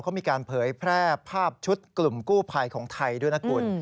เขามีการเผยแพร่ภาพชุดกลุ่มกู้ภัยของไทยด้วยนะคุณ